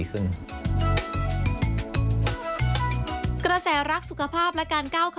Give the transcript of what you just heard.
กระแสรักสุขภาพและการก้าวขา